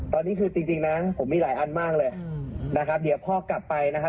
ตอนนี้คือจริงนะผมมีหลายอันมากเลยนะครับเดี๋ยวพ่อกลับไปนะครับ